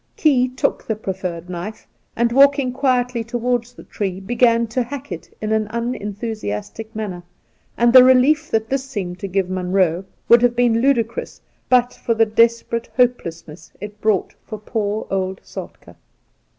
Key took the proffered knife, and, walking quietly towards the tree, began to hack it in an unenthusiastic manner ; and the relief that this seemed to give Munroe would have been ludicrous but for the desperate hopelessness it brought for poor Soltk^.